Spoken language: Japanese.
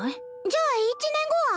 じゃあ１年後は？